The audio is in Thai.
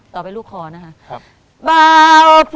ต่อไปลุกคอนะครับ